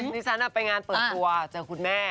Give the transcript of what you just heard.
ดิฉันไปงานเปิดตัวเจอคุณแม่